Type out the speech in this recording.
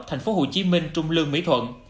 thành phố hồ chí minh trung lương mỹ thuận